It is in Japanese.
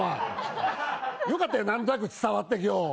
よかったよ、なんとなく伝わって、今日。